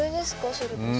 それこそ。